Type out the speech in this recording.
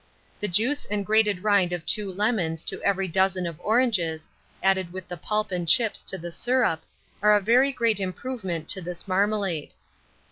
The juice and grated rind of 2 lemons to every dozen of oranges, added with the pulp and chips to the syrup, are a very great improvement to this marmalade.